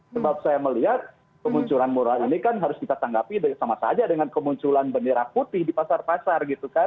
sebab saya melihat kemunculan mural ini kan harus kita tanggapi sama saja dengan kemunculan bendera putih di pasar pasar gitu kan